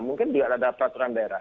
mungkin juga ada peraturan daerah